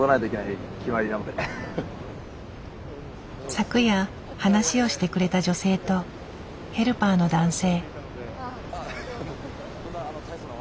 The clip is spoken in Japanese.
昨夜話をしてくれた女性とヘルパーの男性。